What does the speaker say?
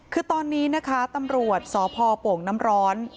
คือตอนนี้นะคะตำรวจสพโป่งน้ำร้อน